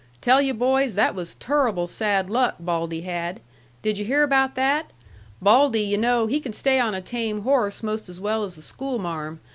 Tell yu' boys, that was turruble sad luck Baldy had. Did yu' hear about that? Baldy, yu' know, he can stay on a tame horse most as well as the schoolmarm.